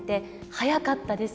早かったです。